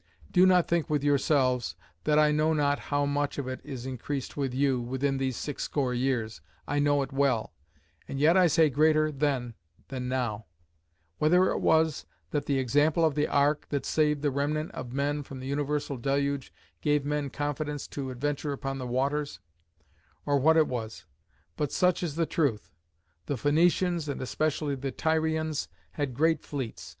Do not think with yourselves, that I know not how much it is increased with you, within these six score years: I know it well: and yet I say greater then than now; whether it was, that the example of the ark, that saved the remnant of men from the universal deluge, gave men confidence to adventure upon the waters; or what it was; but such is the truth. The Phoenicians, and especially the Tyrians, had great fleets.